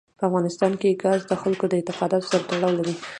په افغانستان کې ګاز د خلکو د اعتقاداتو سره تړاو لري.